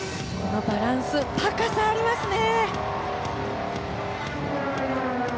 バランス高さありますね。